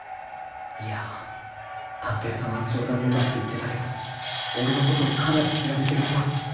いや探偵さんは冗談めかして言ってたけど俺のことをかなり調べてるっぽい